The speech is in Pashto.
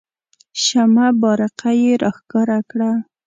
شمه بارقه یې راښکاره کړه.